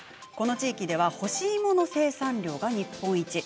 この地域では干し芋の生産量日本一